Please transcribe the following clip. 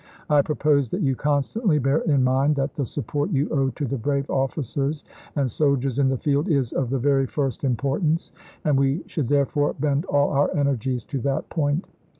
I propose that you constantly bear in mind that the support you owe to the brave officers and soldiers in the field is of the very first importance, and we should therefore bend all our energies to that point."